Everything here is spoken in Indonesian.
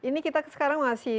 ini kita sekarang masih